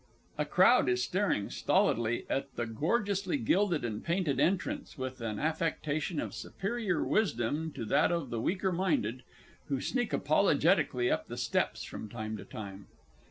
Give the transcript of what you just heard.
_A crowd is staring stolidly at the gorgeously gilded and painted entrance, with an affectation of superior wisdom to that of the weaker minded, who sneak apologetically up the steps from time to time.